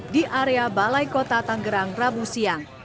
di area balai kota tanggerang rabu siang